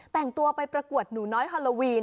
แต่งตัวไปประกวดหนูน้อยฮาโลวีน